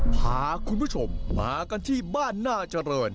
พาคุณผู้ชมมากันที่บ้านหน้าเจริญ